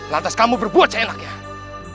lantas kamu berbuat cahaya laki laki